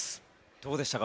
どうでしたか？